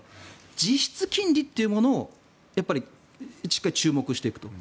実質金利をしっかり注目していくと。